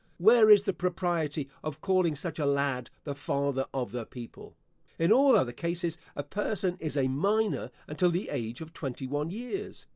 Where is the propriety of calling such a lad the father of the people? In all other cases, a person is a minor until the age of twenty one years.